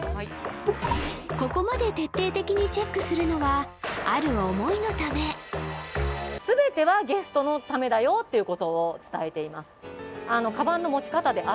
ここまで徹底的にチェックするのはある思いのためだよっていうことを伝えています